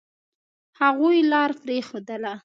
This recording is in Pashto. هغوی لار پرېښودله.